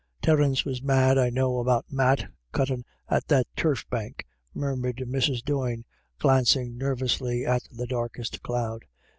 Terence was mad, I know, about Matt cuttin at that turf bank," murmured Mrs. Doyne, glancing nervously at the darkest cloud.